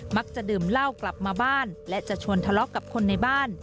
ดื่มเหล้ากลับมาบ้านและจะชวนทะเลาะกับคนในบ้าน